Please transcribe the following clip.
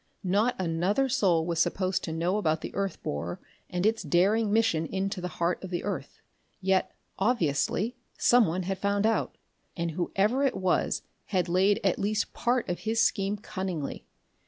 Not another soul was supposed to know of the earth borer and its daring mission into the heart of the earth. Yet, obviously, someone had found out, and whoever it was had laid at least part of his scheme cunningly.